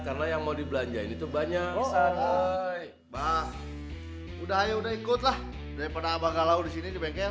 karena yang mau dibelanjain itu banyak mbak udah ikutlah daripada abah galau di sini di bengkel